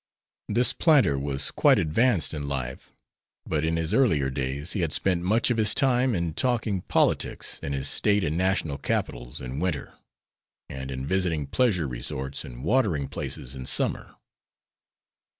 This planter was quite advanced in life, but in his earlier days he had spent much of his time in talking politics in his State and National capitals in winter, and in visiting pleasure resorts and watering places in summer.